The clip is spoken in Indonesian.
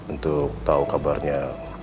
untuk tau kabarnya